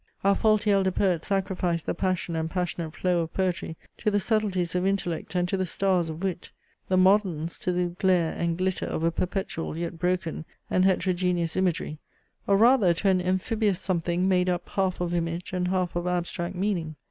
Our faulty elder poets sacrificed the passion and passionate flow of poetry to the subtleties of intellect and to the stars of wit; the moderns to the glare and glitter of a perpetual, yet broken and heterogeneous imagery, or rather to an amphibious something, made up, half of image, and half of abstract meaning.